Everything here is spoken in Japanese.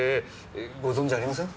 ご存知ありません？